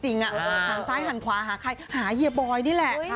หันซ้ายหันขวาหาใครหาเฮียบอยนี่แหละ